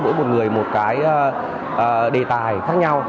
mỗi một người một cái đề tài khác nhau